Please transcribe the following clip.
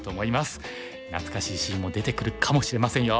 懐かしいシーンも出てくるかもしれませんよ。